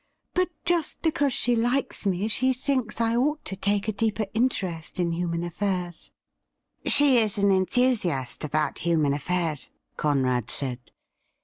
But just because she likes me she thinks I ought to take a deeper interest in human affairs.' ' She is an enthusiast about human affairs,' Conrad said.